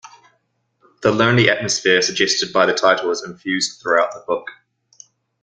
The lonely atmosphere suggested by the title is infused throughout the book.